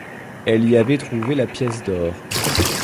Elle y avait trouvé la pièce d’or.